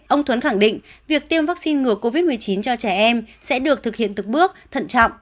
ông thuấn khẳng định việc tiêm vaccine ngừa covid một mươi chín cho trẻ em sẽ được thực hiện từng bước thận trọng